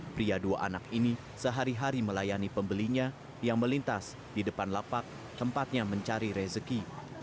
pria dua anak ini sehari hari melayani pembelinya yang melintas di depan lapak tempatnya mencari rezeki